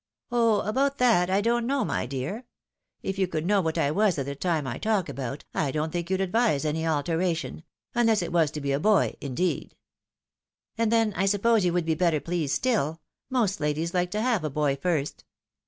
" Oh ! about that I don't know, my dear. If you could know what I was at the time I talk about, I don't think you'd advise any alteration — ^unless it was to be a boy, indeed." "And then I suppose you would be better pleased stiU. Most ladies like to have a boy first."